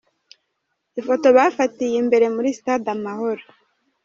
Ifoto bafatiye imbere muri Stade Amahoro.